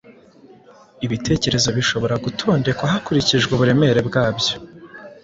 Ibitekerezo bishobora gutondekwa hakurikijwe uburemere bwabyo.